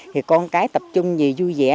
thì con cái tập trung vì vui vẻ